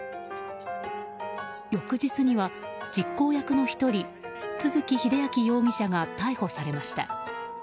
翌日には、実行役の１人都築英明容疑者が逮捕されました。